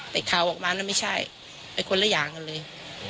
แต่ข่าวออกมานั้นไม่ใช่ไปคนละอย่างกันเลย